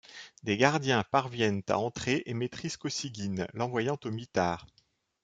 Des gardiens parviennent à entrer et maitrisent Kosygin, l'envoyant au mitard.